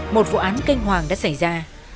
một vụ án kinh hoàng đã xảy ra